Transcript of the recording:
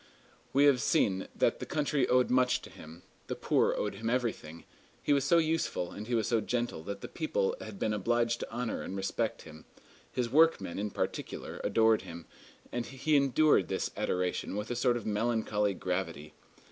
We have seen that the country owed much to him; the poor owed him everything; he was so useful and he was so gentle that people had been obliged to honor and respect him. His workmen, in particular, adored him, and he endured this adoration with a sort of melancholy gravity.